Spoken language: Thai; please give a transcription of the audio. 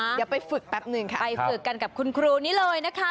เดี๋ยวไปฝึกแป๊บหนึ่งค่ะไปฝึกกันกับคุณครูนี้เลยนะคะ